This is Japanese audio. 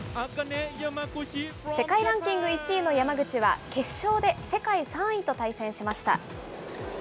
世界ランキング１位の山口は、決勝で世界３位と対戦しました。